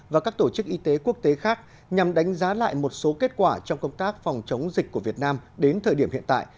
và các tổ chức y tế quốc tế khác nhằm đánh giá lại một số kết quả trong công tác phòng chống dịch của việt nam đến thời điểm hiện tại